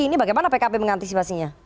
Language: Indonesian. ini bagaimana pkb mengantisipasinya